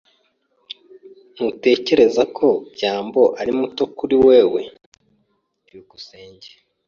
Ntutekereza ko byambo ari muto kuri wewe? byukusenge